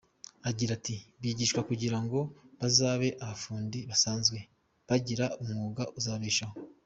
Agira ati “bigishwa kugira ngo bazabe abafundi basanzwe, bagire umwuga uzababeshaho.